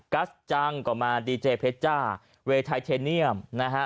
ัสจังก็มาดีเจเพชจ้าเวย์ไทเทเนียมนะฮะ